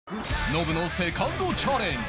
ノブのセカンドチャレンジ